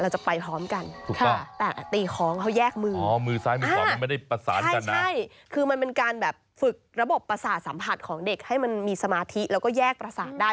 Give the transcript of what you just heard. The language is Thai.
ใช่คือมันเป็นการฝึกระบบภาษาสัมผัสของเด็กให้มันมีสมาธิแล้วก็แยกภาษาได้